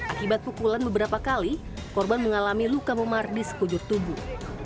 akibat pukulan beberapa kali korban mengalami luka memardis kujur tubuh